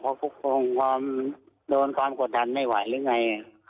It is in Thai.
เพราะคุ้มครองความโดนความกดดันไม่ไหวหรือไง